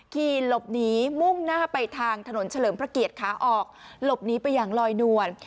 ขี่หลบหนีมุ่งหน้าไปทางถนนเฉลิมพระเกียรติขาออกหลบหนีไปอย่างลอยนวล